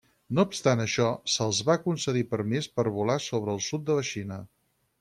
No obstant això, se'ls va concedir permís per volar sobre el sud de la Xina.